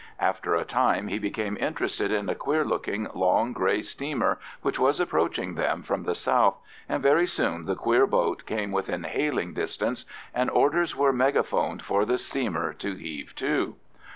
After a time he became interested in a queer looking long grey steamer which was approaching them from the south, and very soon the queer boat came within hailing distance, and orders were megaphoned for the steamer to heave to.